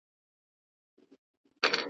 ما خپله د اوبو پیاله له یخو اوبو ډکه کړه.